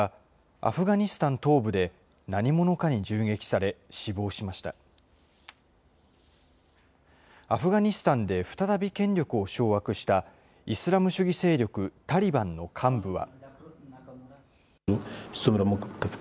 アフガニスタンで再び権力を掌握した、イスラム主義勢力タリバンの幹部は。